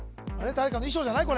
誰かの衣装じゃない？